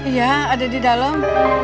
iya ada di dalam